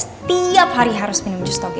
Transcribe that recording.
setiap hari harus minum justo g